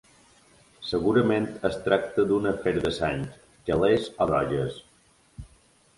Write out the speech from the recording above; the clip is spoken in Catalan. Segurament es tracta d'un afer de sang, calés o drogues.